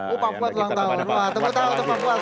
oh pak kuat ulang tahun